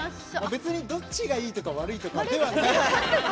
別にどっちがいいとか悪いとかじゃない。